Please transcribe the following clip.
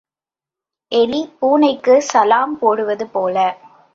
எலி பூனைக்குச் சலாம் போடுவது போல.